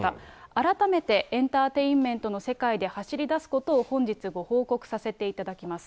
改めてエンターテインメントの世界で走り出すことを本日ご報告させていただきます。